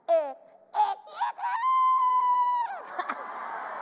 เอกเอกเอกเอก